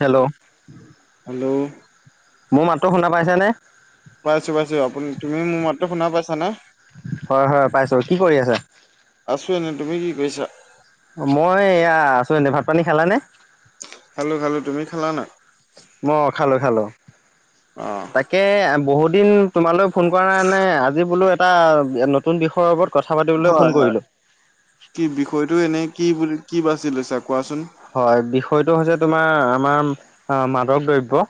Hello. Hello. মোৰ মাতটো শুনা পাইছানে? পাইছোঁ পাইছোঁ আপুনি তুমি মোৰ মাততো শুনা পাইছানে? হয় হয় পাইছো কি কৰি আছা? আছোঁ এনেই তুমি কি কৰিছা? মই এইয়া আছোঁ এনেই, ভাত- পানী খালানে? খালোঁ খালোঁ, তুমি খালা নে নাই? মই খালোঁ খালোঁ। অহ। তাকে বহুত দিন তোমালৈ ফোন কৰা নাই নে, আজি বোলো এটা নতুন বিষয়ৰ ওপৰত কথা পাতিবলৈ হয় ফোন হয়। কৰিলোঁ। কি বিষয়টো এনেই কি বুলি, কি বাচি লৈছা কোৱাচোন? হয়, বিষয়টো হৈছে, তোমাৰ আমাৰ মাদক দ্ৰব্য।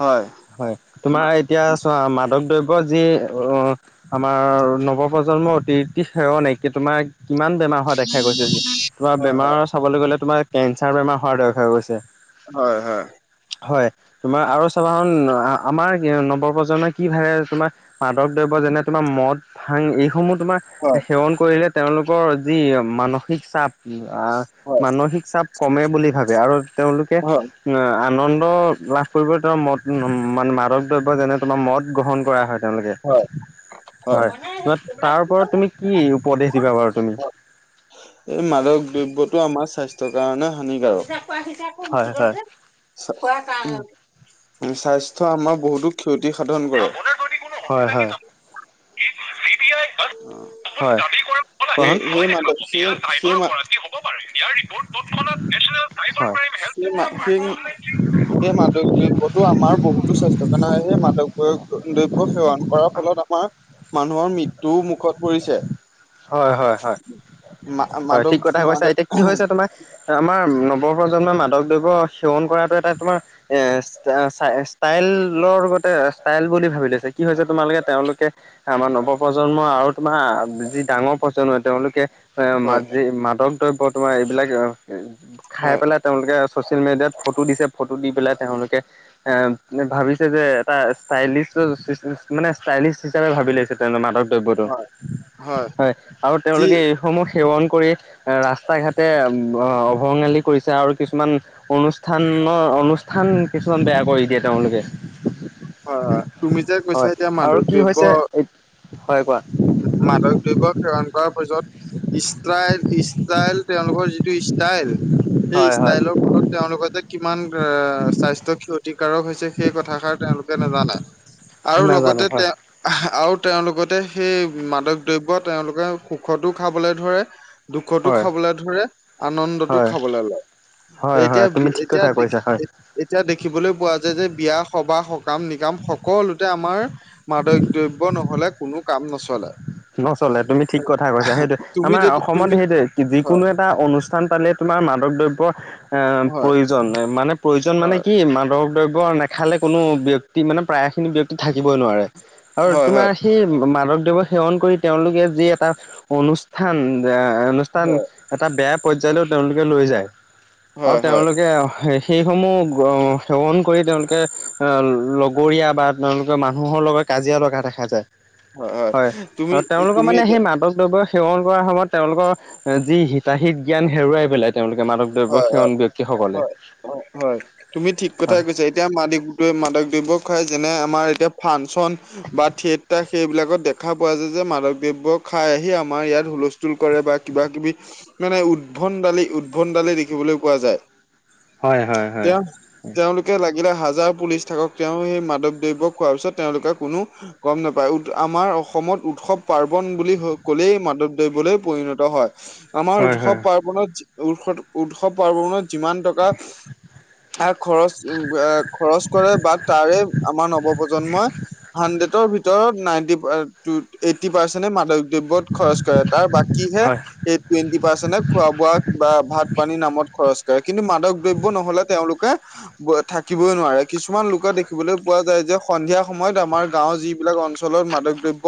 হয়। হয়, হয় তোমাৰ এতিয়া চোৱা, মাদক দ্ৰব্য যি অ' আমাৰ নৱপ্ৰজন্মৰ অতিথি সেৱ নাই কি তোমাৰ কিমান বেমাৰ হোৱা দেখা গৈছে, তোমাৰ হয় বেমাৰ চাবলৈ গ'লে তোমাৰ কেঞ্চাৰ বেমাৰ হোৱা দেখা গৈছে। হয় হয়। হয়, তোমাৰ আৰু চাবাচোন আমাৰ নৱপ্ৰজন্মই কি ভাবে তোমাৰ মাদক দ্ৰব্য যেনে-তোমাৰ মদ, ভাং, এইসমূহ তোমাৰ হয় সেৱন কৰিলে তেওঁলোকৰ যি মানসিক চাপ হয়। মানসিক চাপ কমে বুলি ভাবে আৰু তেওঁলোকে হয় আনন্দ লাভ কৰিব তেওঁ মত উম, মানে মাদক দ্ৰব্য যেনে, তোমাৰ মদ গ্ৰহণ কৰা হয় তেওঁলোকে হয় হয়। তোমাৰ তাৰ ওপৰত তুমি কি উপদেশ দিবা বাৰু তুমি? এই মাদক দ্ৰব্যটো আমাৰ স্বাস্থ্যৰ কাৰণে হানিকাৰক। হয় হয় [unintelligible] স্বাস্থ্যৰ আমাৰ বহুতো ক্ষতি সাধন কৰে। হয় হয়। চি বি আই হয়। কোৱাচোন [unintelligible] ইয়াৰ ৰিপৰ্ট টতখনাত নেশ্যনেল হয় চাইবাৰ ক্ৰাইম হেল্প সেই মাদক দ্ৰব্যতো আমাৰ বহুতো স্বাস্থ্য কাৰনে সেই মাদক দ্ৰব্য সেৱন কৰাৰ ফলত আমাৰ মানুহৰ মৃত্যুও মুখত পৰিছে। হয় হয় হয় মা- হয় মাদক ঠিক কথা কৈছা মাদক এতিয়া কি হৈছে তোমাৰ? আমাৰ নৱপ্ৰজন্মই মাদক দ্ৰব্য সেৱন কৰাটো এটা তোমাৰ এ ষ্টাইলৰ লগতে ষ্টাইল বুলি ভাবি লৈছে কি হৈছে তোমালোকে তেওঁলোকে আমাৰ নৱপ্ৰজন্মই আৰু তোমাৰ যি ডাঙৰ প্ৰজন্ম তেওঁলোকে এ ম হয় যি মাদক দ্ৰব্য তোমাৰ এইবিলাক খাই হয় পেলাই তেওঁলোকে ছ'চিয়েল মিডিয়াত ফটো দিছে, ফটো দি পেলাই তেওঁলোকে এ ভাবিছে যে এটা ষ্টাইলিছ মানে ষ্টাইলিছ হিচাপে ভাবি লৈছে। তে মাদক দ্ৰব্যটো হয় হয় আৰু যি তেওঁলোকে এইসমূহ সেৱন কৰি এ ৰাস্তা ঘাটে অভঙালী কৰিছে আৰু কিছুমান অনুষ্ঠানৰ অনুষ্ঠান কিছুমান বেয়া কৰি দিয়ে তেওঁলোকে। হয় হয় তুমি যে কৈছা হয় এতিয়া আৰু মাদক কি দ্ৰব্য হৈছে এই হয় কোৱা? মাদক দ্ৰব্য সেৱন কৰাৰ পিছত, ইষ্টাইল ইষ্টাইল তেওঁলোকৰ যি যিটো ষ্টাইল, সেই হয় হয় ষ্টাইলৰ ফলত তেওঁলোকৰ যে কিমান স্বাস্থ্য ক্ষতি ক্ষতিকাৰক হৈছে, সেই কথাষাৰ তেওঁলোকে নাজানে। আৰু নাজানে লগতে হয় তেওঁ আহ আৰু তেওঁলোকতে সেই মাদক দ্ৰব্য তেওঁলোকে সুখতো খাবলৈ ধৰে দুখতো হয় খাবলৈ ধৰে, আনন্দটো হয় খাবলৈ লয়। হয় এতিয়া হয় তুমি ঠিক এতিয়া কথা দে কৈছা হয় এতিয়া দেখিবলৈ পোৱা যায় যে বিয়া সভা সকাম-নিকাম সকলোতে আমাৰ মাদক দ্ৰব্য নহ'লে কোনো কাম নচলে। নচলে তুমি ঠিক কথা কৈছা সেইটোৱে। তুমি আমাৰ যদি অসমত তুমি সেইটো, হয় যিকোনো এটা অনুষ্ঠান পাতিলে তোমাৰ মাদক দ্ৰব্য এ হয় প্ৰয়োজন, মানে প্ৰয়োজন মানে হয় কি মাদক দ্ৰব্য খালে কোনো ব্যক্তি মানে প্ৰায় খিনি ব্যক্তি থাকিবই নোৱাৰে আৰু হয় তোমাৰ হয় সেই মাদক দ্ৰব্যৰ সেৱন কৰি তেওঁলোকে যি এটা অনুষ্ঠান এহ অনুষ্ঠান হয় এটা বেয়া পৰ্যায়লৈও তেওঁলোকে লৈ যায়, আৰু হয় হয় তেওঁলোকে সেইসমূহ সেৱন কৰি তেওঁলোকে এ লগৰীয়া বা তেওঁলোকে মানুহৰ লগত কাজিয়া লগা দেখা যায় হয়। আৰু তেওঁলোকৰ মানে সেই মাদকদ্ৰব্যৰ সেৱন কৰাৰ সময়ত তেওঁলোকৰ যি হিতাহিত জ্ঞান হেৰুৱাই পেলাই তেওঁলোকে মাদক দ্ৰব্য হয় সেৱন হয় ব্যক্তিসকলে হয় হয় হয় তুমি ঠিক হয়। কথাই কৈছা এতিয়া ম মাদক দ্ৰব্য খাই যেনে আমাৰ এতিয়া ফাংচন বা থিয়েটাৰ সেইবিলাকত দেখা পোৱা যায় যে মাদক দ্ৰব্য খাই আহি আমাৰ ইয়াত হুলস্থ কৰে বা কিবা কিবি, মানে উদভণ্ডালী উদভণ্ড দালি দেখিবলৈ পোৱা যায়। হয় হয় তে হয় তেওঁলোকে লাগিলে হাজাৰ পুলিচ থাকক তেওঁ সেই মাদক দ্ৰব্য খোৱাৰ পিছত তেওঁলোকে কোনো গম নাপায়। উ আমাৰ অসমত উৎসৱ পাৰ্বন বুলি কলেই মাদক দ্ৰব্যলৈ পৰিণত হয়। আমাৰ হয় উৎসৱ হয়। পাৰ্বনত, উৎস উৎসৱ পাৰ্বনত যিমান টকা আৰু খৰচ এ খৰচ কৰে বা তাৰে আমাৰ নৱপ্ৰজন্মই হাণ্ড্ৰেডৰ ভিতৰত নাইনটি টু এইটি পাৰ্চেন্টে মাদ দ্ৰব্যত খৰচ কৰে, তাৰ বাকীহে এই টুৱেণ্টি পাৰ্চেন্ট খোৱা বোৱা বা ভাত পানীৰ নামত খৰচ কৰে, কিন্তু মাদক দ্ৰব্য নহ'লে তেওঁলোকে থাকিবই নোৱাৰে। কিছুমান লোকে দেখিবলৈ পোৱা যায় যে সন্ধিয়া সময়ত আমাৰ গাঁওৰ যিবিলাক অঞ্চলত মাদক দ্ৰব্য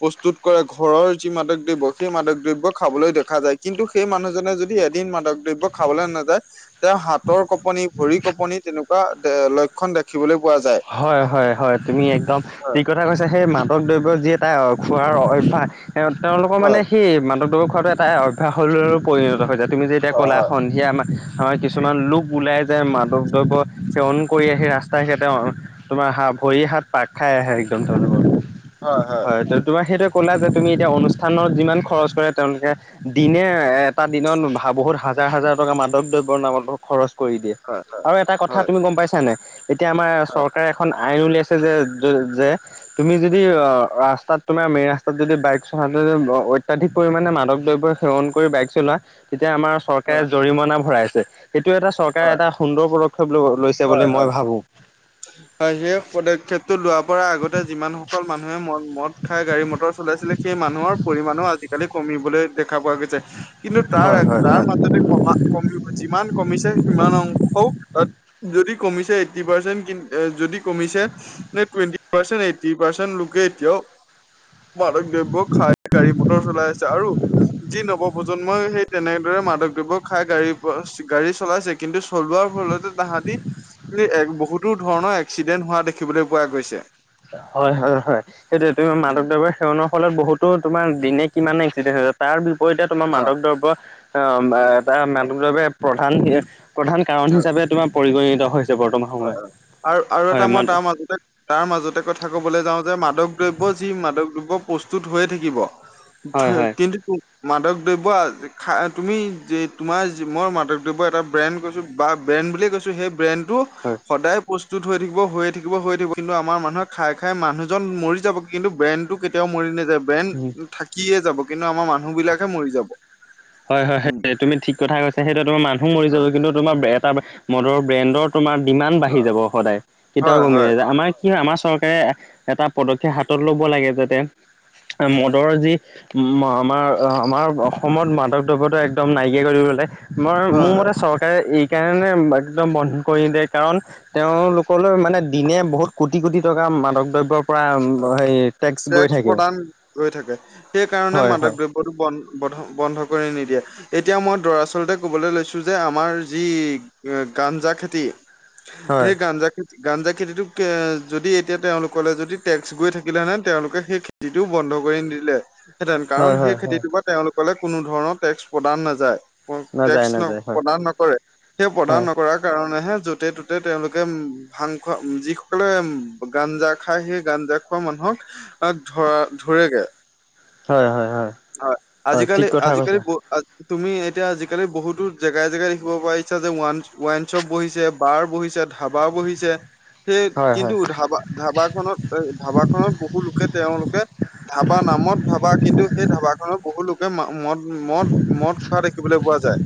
প্ৰস্তুত কৰে ঘৰৰ যি মাদক দ্ৰব্য সেই মাদক দ্ৰব্য খাবলৈ দেখা যায় কিন্তু সেই মানুহজনে যদি এদিন মাদক দ্ৰব্য খাবলৈ নাযায়, তেওঁ হাতৰ কপনি, ভৰি কপনি তেনেকুৱা লক্ষ খন দেখিবলৈ পোৱা যায়। হয়-হয়-হয় তুমি একদম হয়, ঠিক থা কৈছা। সেই মাদক দ্ৰব্য যি এটা খোৱাৰ অভ্যাস তেওঁলোকৰ মানে হয়, সেই মাদক দ্ৰব্য খোৱাটো এটা অভ্যাসলৈ পৰিণত হৈ যায়। তুমি যে এতিয়া হয়, কলা হয়, সন্ধি আমাৰ আমাৰ কিছুমান লোক ওলাই যায় মাদক দ্ৰব্য সেৱন কৰি আহি ৰাস্তাৰে ঘাতে তোমাৰ হাত ভৰি হাত পাক খাই আহে একদম তেওঁলোকৰ হয়। তোমাৰ সেইটো ক'লা যে তুমি এতিয়া অনুষ্ঠানত যিমান খৰচ কৰে তেওঁলোকে দিনে এটা দিনত বহুত হাজাৰ হাজাৰ টকা মাদক দ্ৰব্যৰ নামত খৰচ কৰি দিয়ে। হয় হয়। আৰু এটা কথা তুমি গম পাইছানে? এতিয়া আমাৰ হয়, হয়, চৰকাৰে এখন আইন উলিয়াইছে যে-যে-যে তুমি যদি অ ৰাস্তাত তোমাৰ মেইন ৰাস্তাত যদি বাইক চলাদি অত্যাধিক পৰিমাণে মাদক দ্ৰব্য সেৱন কৰি বাইক চলোৱা, তেতিয়া আমাৰ হয়, চৰকাৰে জৰিমনা ভৰাইছে। সেইটো এটা চৰকাৰে হয়, এটা সুন্দৰ পদক্ষেপ ল লৈছে হয়, বুলি হয়। মই ভাবো। হয়, সেই পদক্ষেপটো লোৱা পৰা আগতে যিমানসকল মানুহে মদ-মদ খাই গাড়ী, মটৰ চলাইছিলে, সেই মানুহৰ পৰিমাণো আজিকালি কমিবলৈ দেখা পোৱা গৈছে, কিন্তু হয় হয় তাৰ-তাৰ হয়। মাজতে কমা-কমি যিমান কমিছে সিমান অংশও যদি কমিছে এইট্টি পাৰ্চেন্ট যদি কমিছে, টোৱেন্তী পাৰ্চেন, এইটি পাৰ্চেন লোকে এতিয়াও মাদক দ্ৰব্য খাই গাড়ী, মটৰ চলাই আছে, আৰু যি নৱপ্ৰজন্মই সেই তেনেদৰে মাদক দ্ৰৱ্য খাই গাড়ী, গাড়ী চলাইছে কিন্তু, চলোৱাৰ ফলতে তাহাঁতি [unintelligible] বহুত তো, ধৰণৰ এক্সিডেণ্ট হোৱা দেখিবলৈ পোৱা গৈছে। হয়, হয়, হয়, সেইটোয়ে তোমাৰ মাদক দ্ৰৱ্য সেৱনৰ ফলত বহুতো তোমাৰ দিনে কিমানে এক্সিডেন্ট হৈ য তাৰ বিপৰীতে তোমাৰ অ'। মাদক দ্ৰব্য আ, এটা মাদক দ্ৰব্য প্ৰধান প্ৰধান কাৰণ হিচাপে তোমাৰ পৰিগণিত হৈছ হয়, হয়, আৰু-আৰু এটা মই তাৰ মাজতে তাৰ মাজতে কথা ক'বলৈ যাওঁতে মাদক দ্ৰব্য যি, মাদক দ্ৰব্য প্ৰস্তুত হৈয়ে থাকিব। হয় হয় [unintelligible] কিন্তু মাদক দ্ৰব্য খা-তুমি যে, তোমাৰ মই মাদক দ্ৰব্য এটা ব্ৰেণ্ড কৈছোঁ বা ব্ৰেণ্ড বুলিয়েই কৈছোঁ সেই ব্ৰেণ্ডটো হয়। সদায় প্ৰস্তুত হৈ থাকিব, হৈয়ে থাকিব, হৈ থাকিব, কিন্তু আমাৰ মানুহে খাই, খাই মানুহজন মৰি যাব কিন্তু ব্ৰেণ্ডটো কেতিয়াও মৰি নাযায়। উম ব্ৰেণ্ড থাকিয়ে যাব, কিন্তু আমাৰ মানুহ বিলাকহে মৰি যাব। হয়, হয়, উম সে তুমি ঠিক কথা কৈছা, সেইটোৱে তোমাৰ মানুহ মৰি যাব, হয় কিন্তু তোমাৰ এটা মদৰ ব্ৰেণ্ডৰ তোমাৰ ডিমাণ্ড বাঢ়ি যাব সদায়, কেতিয়াও হয় কমি হয় নেযায় আমাৰ কি আমাৰ চৰকাৰে এটা পদক্ষেপ হাতত ল'ব লাগে যাতে মদৰৰ যি উম, আমাৰ-আমাৰ অসমত মাদক দ্ৰব্যটো একদম নাইকিয়া কৰি দিব লাগে। মই হয় মোৰ হয় হয়, মতে চৰকাৰে এই কাৰণে একদম বন্ধ কৰি নিদিয়ে কাৰণ তেওঁলোকলৈ মানে দিনে বহুত কোটি, কোটি টকা মাদক দ্ৰব্যৰ পৰা হয়। হেই টেক্স গৈ থাকে। হয়, হয়। ক'তো বন-বন্ধ-বন্ধ কৰি নিদিয়ে। এতিয়া মই দৰাচলতে ক'বলৈ লৈছো যে, আমাৰ যি গাঞ্জা খেতি হয় সেই গাঞ্জা খেতি, গাঞ্জা খেতিটোক যদি এতিয়া তেওঁলোকলে যদি টেক্স গৈ থাকিলে হেঁতেন, তেওঁলোকে সেই খেতিতো বন্ধ কৰি নিদিলেহেঁতেন কাৰণ, হয় সেই হয় হয় খেতিটোৰ পৰা তেওঁলোক লে, কোনো ধৰণৰ টেক্স প্ৰদান নাযায়, টেক্স নাযায় নাযায় হয় ন-প্ৰদান নকৰে। সেই প্ৰদান হয় নকৰাৰ কাৰণেহে য'তে, ত'তে তেওঁলোকে উ ভাং খোৱা যিসকলে উম, গাঞ্জা খায় সেই গাঞ্জা খোৱা মানুহক আ, ধৰ-ধৰেগে। হয়, হয়, হয়। হয়, হয় আজিকালি, ঠিক কথা আজিকালি কৈছা ব-আজি তুমি এতিয়া আজিকালি বহুতো জেগাই, জেগাই দেখিব পাইছা যে, ওৱা-ৱাইন শ্বপ বহিছে বাৰ বহিছে, ধাবা বহিছে, সেই হয় হয় কিন্তু ধাবা ধাবা খনত, ধাবা খনত বহুলোকে তেওঁলোকে ধাবা নামত, ধাবা কিন্তু সেই ধাবাখনত বহু লোকে ম-মদ-মদ-মদ খোৱা দেখিবলৈ পোৱা যায়।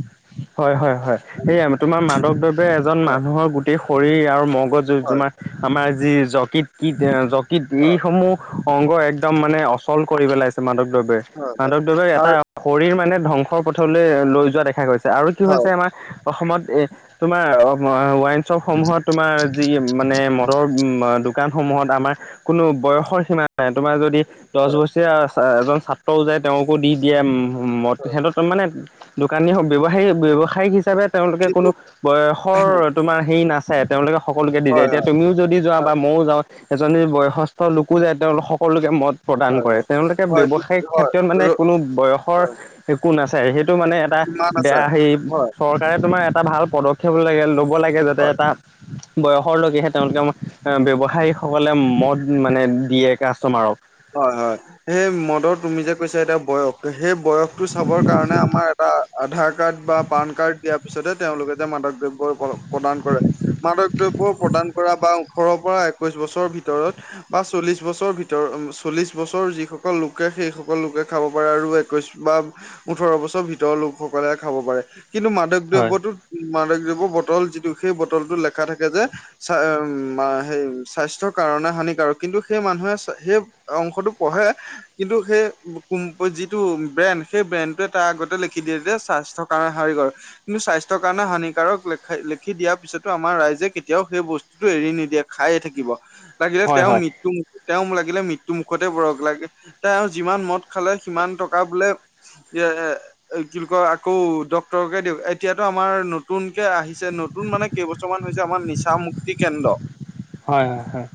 হয়, হয়, হয়, উম, সেয়া তোমাৰ মাদক দ্ৰব্যয়ে এজন হয়, মানুহৰ গোটেই শৰীৰ আৰু মগজ হয়, তোমাৰ-আমাৰ যি যকৃত-কৃত-যকৃত হয়, এইসমূহ অংগ একদম মানে অচল কৰি পেলাইছে, মাদকদ্ৰৱে, হয়, হয় মাদকদ্ৰৱে এটা আৰু শৰীৰ মানে ধ্বংসৰ পথলৈ লৈ যোৱা দেখা গৈছে, আৰু কি হৈছে হয়, আমাৰ অসমত এ তোমাৰ ৱাইন শ্বপসমূহত তোমাৰ যি মানে মদৰ দোকানসমূহত আমাৰ কোনো বয়সৰ সীমা নাই তোমাৰ যদি দহ হয়, বছৰীয়া এজন ছাত্ৰও যায় তেওঁকো দি দিয়ে উ মদ হয় হেহতক মানে দোকানী ব্যৱসায়ী ব্যৱসায়িক হিচাপে তেওঁলোকে কিন্তু কোনো বয়সৰ তোমাৰ হেৰি না চায় তেওঁলোকে সকলোকে দি যায় হয়, এতিয়া হয়, তুমিও যদি যোৱা বা আৰু- মইও যাও। এজনী বয়সস্থ লোকো যায় তেওঁলোক সকলোকে মদ প্ৰদান হয়, কৰে হয়, তেওঁলোকে হয়, ঠিক- ব্যৱসায়িক হয়, ক্ষেত্ৰত মানে ৰ- কোনো বয়সৰ হয়, একো নাচায় সেইটো মানে এটা কিমান আছা বয়া হেৰি হয়, চৰকাৰে তোমাৰ এটা ভাল পদক্ষেপ লাগে লব লব লাগে হয়। যাতে এটা বয়সৰ লৈকেহে তেওঁলোকে ব্যৱসায়ীসকলে মদ মানে দিয়ে কাষ্টমাৰক। হয় হয়। সেই মদৰ তুমি যে কৈছা এতিয়া বয়স সেই বয়সতটো চাবৰ কাৰণে আমাৰ এটা আধাৰ কাৰ্ড বা পান কাৰ্ড দিয়াৰ পিছতহে তেওঁলোকে যে মাদক দ্ৰব্য কৰক। প্ৰদান কৰে মাদক দ্ৰব্য প্ৰদান কৰা বা ওঠৰৰ পৰা একৈশ বছৰৰ ভিতৰত বা চল্লিশ বছৰ ভিতৰ উম চল্লিছ বছৰ যিসকল লোকে সেইসকল লোকে খাব পাৰে আৰু একৈছ বা ওঠৰ বছৰ ভিতৰৰ লোকসকলে খাব পাৰে কিন্তু মাদক হয় দ্ৰব্যটোত মাদক দ্ৰব্যৰ বটল যিটো সেই বটলটোত লেখা থাকে যে, চা উ মা হেৰি স্বাস্থ্যৰ কাৰণে হানিকাৰক কিন্তু সেই মানুহে সেই অংশটো পঢ়ে কিন্তু সেই কোম যিটো ব্ৰেণ্ড সেই ব্ৰেণ্ডটোৱে তাৰ আগতে লিখি দিয়ে যে স্বাস্থ্য কাৰ হাৰিকৰ কিন্তু স্বাস্থ্য কাৰণে হানিকাৰক লে লিখি দিয়াৰ পিছতো আমাৰ ৰাইজে কেতিয়াও সেই বস্তু টো এৰি নিদিয়ে খায়ে থাকিব লাগিলে হয় তেওঁৰ হয় মৃত্যু মু তেওঁ লাগিলে মৃ টু মুখতে পৰক লাগে তেওঁ যিমান মদ খালে সিমান টকা বোলে এ কি বুলি কয় আকৌ ডক্তৰকে দিয়ক এতিয়াতো আমাৰ নতুনকে আহিছে নতু তুন মানে কেইবছৰমান হৈছে আমাৰ নিচা মুক্তি কেন্দ্ৰ হয় হয় হয়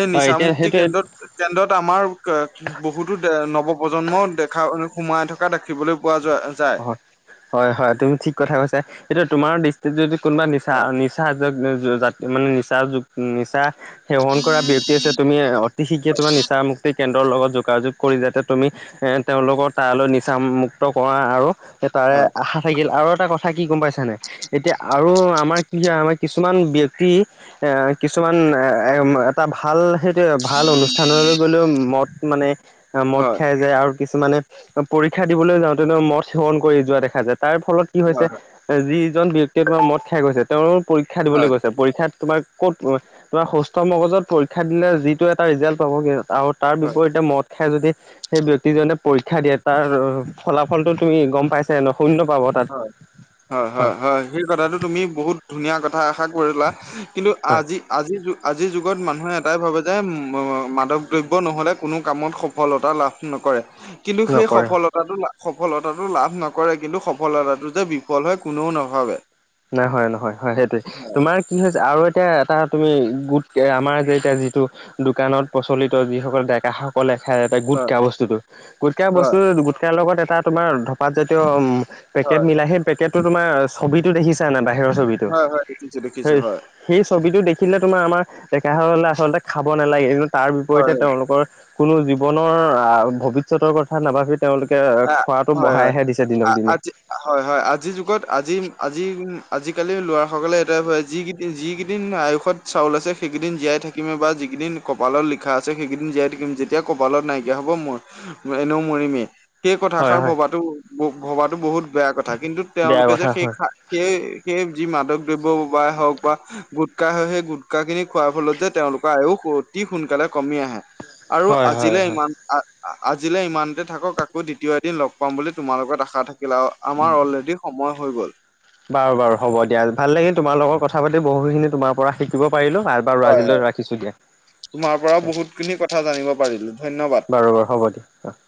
এই হয় নিচা এতিয়া মুুক্তি সেইটোৱে কেন্দ্ৰত কেন্দ্ৰত আমাৰ এ বহুতো এ নৱ প্ৰজন্মও দেখা সোমাই থকা দেখিবলে পোৱা যোৱা যায়। হয়। হয় হয় তুমি ঠিক কথা কৈছা এতিয়া তোমাৰ দৃষ্টিত যদি কোনোবা নিচা নিচা যা যা যাক মানে নিচা যু নিচা সেৱন কৰা ব্যক্তি আছে তুমি অতি শীঘ্ৰে তোমাৰ নিচা মুক্তি কেন্দ্ৰৰ লগত যোগাযোগ কৰি যাতে তুমি এ তেওঁলোকৰ তালৈ নিচা মুুক্ত কৰা আৰু তাৰে হয় আশা থাকিল আৰু এটা কথা কি গম পাইছানে এতিয়া আৰু আমাৰ কি হয় আমাৰ কিছুমান ব্যক্তি এ কিছুমান এ এ এটা ভাল সে এই ভাল অনুষ্ঠানলৈ গ'লেও মদ মানে মদ হয় খাই যায় আ কিছুমানে পৰীক্ষা দিবলৈ যাওঁতে ন মদ সেৱন কৰি যোৱা দেখা যায় তাৰ ফলত কি হৈছে, হয় যিজন ব্যক্তিয়ে তোমাৰ মদ খাই গৈছে তেওঁ পৰীক্ষা দিবলৈ হয় গৈছে পৰীক্ষাত তোমাৰ ক'ত তোমাৰ সুস্থ মগজত পৰীক্ষা দিলে যিটো এটা ৰিজাল্ট পাব আৰু তাৰ হয় বিপৰীতে মদ খাই যদি সেই ব্যক্তিজনে পৰীক্ষা দিয়ে তাৰ ফলাফলটো সি গম পাইছাই ন শূন্য পাব তা হয় হয় হয় সেই কথাটো তুমি বহুত ধুনীয়া কথা এষাৰ কৰিলা, কিন্তু হয় আজি আজি যুগ আজিৰ যুগত মানুহে এটাই ভাবে যে মাদক দ্ৰব্য নহ'লে কোনো কামত সফলতা লাভ নকৰে কিন্তু সেই নকৰে। সফলতাটো সফলতাটো লাভ নকৰে কিন্তু সফ সফলতাটো যে বিফল হয় কোনেও নাভাবে। নাই হয়, নহয়, হয় সেইটোয়ে হয় তোমাৰ কি হৈছে আৰু এতিয়া এটা তুমি গোট আমাৰ যে এতিয়া যিটো- দোকানত প্ৰচলিত যিসকল ডেকাসকলে খাই হয় গোটকা বস্তুতো, গোটকা হয় বস্তুতো তাৰ লগত এটা তোমাৰ ধপাতজাতীয় পেকেট হয় মিলাই, সেই পেকেটটো তোমাৰ ছবিটো দেখিছা? তেনে [unintelligible] বাহিৰৰ ছবিত হয়, হয় দেখিছোঁ, দেখিছোঁ হয়। সেই ছবিটো দেখিলে তোমাৰ আমাৰ ডেকাসকলে আচলতে খাব নালাগে, কিন্তু তাৰ বিপৰীতে হয় তেওঁলোকৰ কোনো জীৱনৰ ভৱিষ্যতৰ কথা নাভাবি তেওঁলোকে আ খোৱাটো হয় হয় বঢ়াইহে দিছে আ দিনক দিনে। আজি হয়, হয়, আজিৰ যুগত আজি, আজি, আজি, কালি ল'ৰা সকলে এটাই ভাবে, যি যিকেইদিন আয়ুসত চাউল আছে সেইকেইদিন জীয়াই থাকিমে বা যিকেইদিন কপালত লিখা আছে সেইকেইদিন জীয়াই থাকিম। যেতি এতিয়া কপালত নাইকিয়া হ'ব মই এনেও মৰিমেই। সেই হয় কথাষাৰ হয় ভবাতো, ভবাতো বহুত বেয়া কথা। কিন্তু বেয়া তেওঁলোকে যে কথা সেই হয় খা সেই, সেই যি মাদক দ্ৰব্যই হওঁক বা গোটকাই হওঁক সেই গোটকা খিনি খোৱাৰ ফলত যে তেওঁলোক লতাও [unintelligible] অতি সোনকালে কমি আহে। আৰু হয় হয় আজিলৈ হয় ইমান আ [unintelligible] আজিলে ইমানতে থাকক। আকৌ দ্বিতীয় এদিন লগ পাম বুলি তোমাৰ লগত আশা থাকিল আৰু আমাৰ অলৰেডি সময় হৈ গ'ল। বাৰু, বাৰু হ'ব দিয়া, ভাল লাগিল তোমাৰ লগত কথা পাতি। বহুখিনি তোমাৰ পৰা শিকিব পাৰিলো। বাৰু হয় হয়। আজিলৈ ৰাখিছোঁ দিয়া। তোমাৰ পৰা বহুত খিনি কথা জানিব পাৰিলোঁ ধন্যবাদ। বাৰু, বাৰু হ'ব দিয়া। [inaudible]